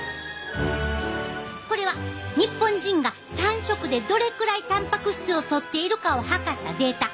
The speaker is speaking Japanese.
これは日本人が３食でどれくらいたんぱく質をとっているかを測ったデータ。